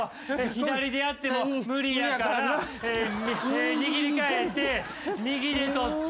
左でやっても無理やからにぎりかえて右でとって。